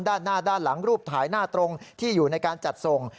ด้านหน้าด้านหลังรูปถ่ายหน้าตรงที่อยู่ในการจัดส่ง